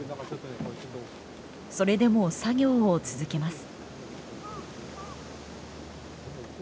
それでも作業を続けます。